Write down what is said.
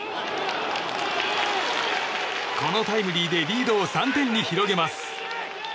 このタイムリーでリードを３点に広げます。